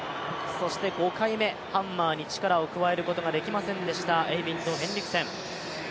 そして５回目、ハンマーに力を加えることができませんでした、エイビンド・ヘンリクセン。